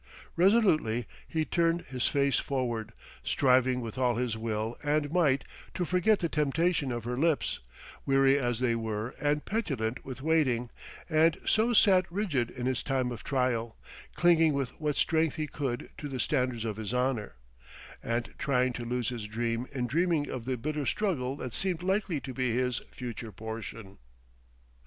Resolutely he turned his face forward, striving with all his will and might to forget the temptation of her lips, weary as they were and petulant with waiting; and so sat rigid in his time of trial, clinging with what strength he could to the standards of his honor, and trying to lose his dream in dreaming of the bitter struggle that seemed likely to be his future portion.